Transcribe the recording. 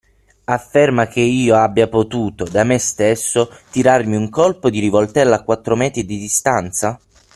afferma che io abbia potuto da me stesso tirarmi un colpo di rivoltella a quattro metri di distanza?